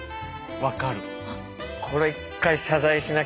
分かる。